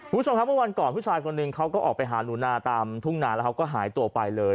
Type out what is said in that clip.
คุณผู้ชมครับเมื่อวันก่อนผู้ชายคนหนึ่งเขาก็ออกไปหาหนูนาตามทุ่งนาแล้วเขาก็หายตัวไปเลย